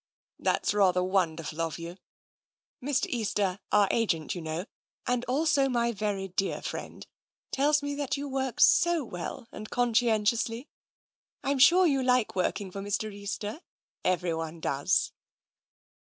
" That's rather wonderful of you. Mr. Easter, our agent, you know, and also my very dear friend, tells 132 TENSION me that you work so well and conscientiously. I am sure you like working for Mr. Easter : everyone does."